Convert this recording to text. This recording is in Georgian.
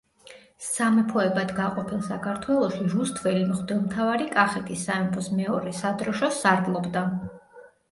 სამეფოებად გაყოფილ საქართველოში რუსთველი მღვდელმთავარი კახეთის სამეფოს მეორე სადროშოს სარდლობდა.